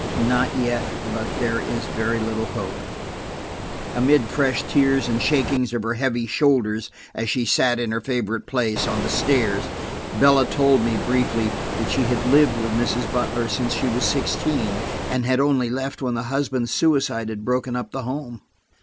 "Not yet, but there is very little hope." Amid fresh tears and shakings of her heavy shoulders, as she sat in her favorite place, on the stairs, Bella told me, briefly, that she had lived with Mrs. Butler since she was sixteen, and had only left when the husband's suicide had broken up the home.